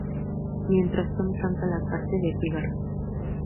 Mientras Tom canta la parte de "Figaro!